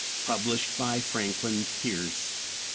Published by Franklin Pierce, 1887.)